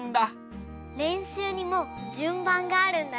れんしゅうにもじゅんばんがあるんだね！